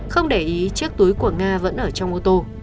không để ý chiếc túi của nga vẫn ở trong ô tô